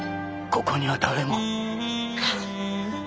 ここには誰も。